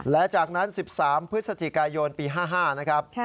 และจากนั้น๑๓พฤศจิกายนปี๕๕นะครับ